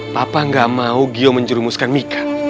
papa gak mau gio menjerumuskan mika